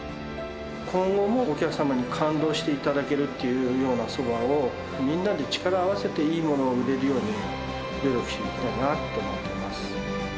今後もお客様に感動していただけるっていうようなそばを、みんなで力を合わせていいものを売れるように、努力していきたいなと思ってます。